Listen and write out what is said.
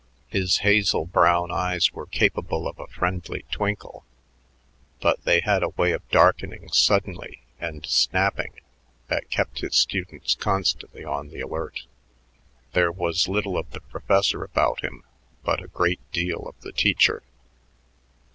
His hazel brown eyes were capable of a friendly twinkle, but they had a way of darkening suddenly and snapping that kept his students constantly on the alert. There was little of the professor about him but a great deal of the teacher.